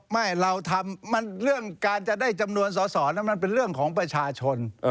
ไม่เราทำเรื่องการจะได้จำนวนสอสอแล้วมันเป็นเรื่องของประชาชน